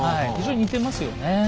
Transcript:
非常に似てますよね。